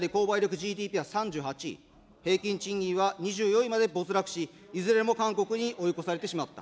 ＧＤＰは３８位、平均賃金は２４位まで没落し、いずれも韓国に追い越されてしまった。